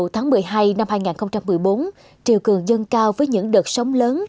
triều cường dân cao với những đợt sóng lớn